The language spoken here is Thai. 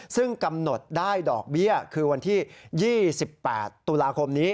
ซึ่งกำหนดได้ดอกเบี้ยคือวันที่๒๘ตุลาคมนี้